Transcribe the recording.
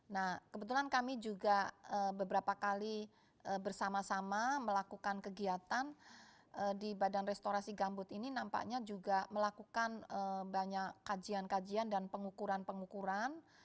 nah kebetulan kami juga beberapa kali bersama sama melakukan kegiatan di badan restorasi gambut ini nampaknya juga melakukan banyak kajian kajian dan pengukuran pengukuran